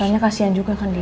soalnya kasihan juga kan dia